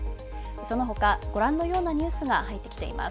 そのほかご覧のようなニュースが入ってきています。